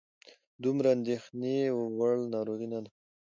دومره د اندېښنې وړ ناروغي نه ده.